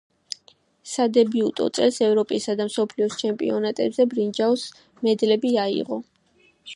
სადებიუტო წელს, ევროპისა და მსოფლიოს ჩემპიონატებზე ბრინჯაოს მედლები აიღო.